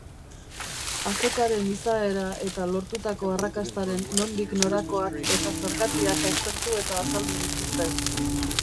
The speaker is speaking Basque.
Azokaren izaera eta lortutako arrakastaren nondik norakoak eta zergatiak aztertu eta azaldu dituzte.